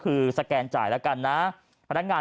คือสแกนจ่ายละกันนะ